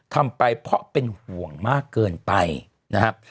ทำไปเพราะเป็นห่วงมากเกินไปนะครับ